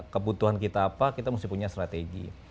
kebutuhan kita apa kita mesti punya strategi